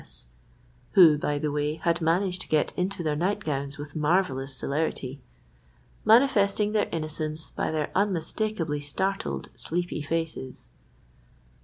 S. (who, by the way, had managed to get into their night gowns with marvellous celerity), manifesting their innocence by their unmistakably startled, sleepy faces.